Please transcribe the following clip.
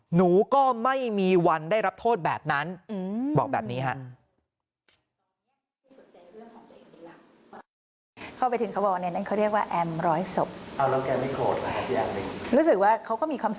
หนูก็ไม่มีวันได้รับโทษแบบนั้นบอกแบบนี้ฮะ